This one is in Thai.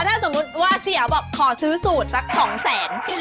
แล้วถ้าสมมุติว่าเสียบอกขอซื้อสูตรสัก๒๐๐๐๐๐บาท